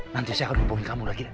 nanti saya akan hubungi kamu lagi